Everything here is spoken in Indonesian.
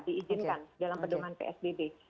diizinkan dalam perdoman psbb